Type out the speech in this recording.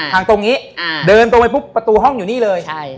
ทางตรงนี้เดินตรงไปปุ๊บประตูห้องอยู่นี่เลย